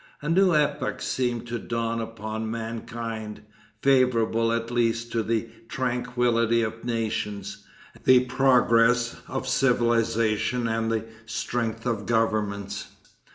A new epoch seemed to dawn upon mankind, favorable at least to the tranquillity of nations, the progress of civilization and the strength of governments.